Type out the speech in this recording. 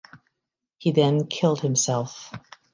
He then killed himself.